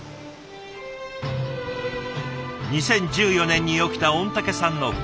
２０１４年に起きた御嶽山の噴火。